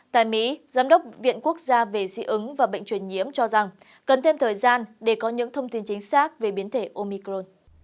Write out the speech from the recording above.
tại mỹ giám đốc viện quốc gia về dị ứng và bệnh truyền nhiễm cho rằng cần thêm thời gian để có những thông tin chính xác về biến thể omicron